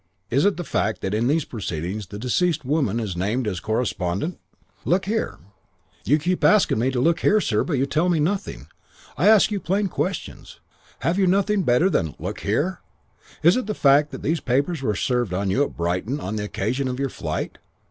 "'Is it the fact that in these proceedings the deceased woman is named as corespondent?' "'Look here ' "'You keep asking me to look here, sir, but you tell me nothing. I ask you plain questions. Have you nothing better than, "Look here"? Is it the fact that these papers were served on you at Brighton on the occasion of your flight?'